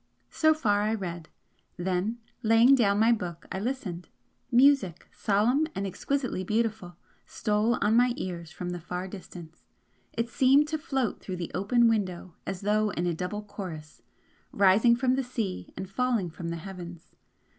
So far I read then laying down my book I listened. Music, solemn and exquisitely beautiful, stole on my ears from the far distance it seemed to float through the open window as though in a double chorus rising from the sea and falling from the heavens.